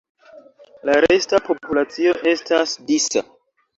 La resta populacio estas disa.